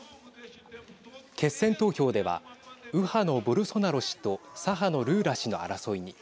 決選投票では右派のボルソナロ氏と左派のルーラ氏の争いに。